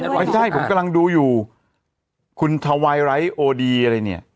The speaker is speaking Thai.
ไม่ใช่ผมกำลังดูอยู่คุณทวายไร้โอดีอะไรเนี่ย